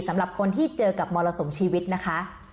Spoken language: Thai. สำหรับคนที่เจอกับมรสุมชีวิตนะคะ